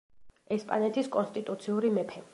ესპანეთის კონსტიტუციური მეფე.